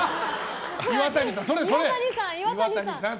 岩谷さん、それそれ。